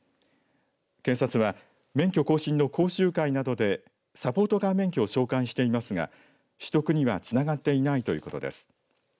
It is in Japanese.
警察は免許更新の講習会などでサポートカー免許を紹介していますが取得にはつながっていないということです。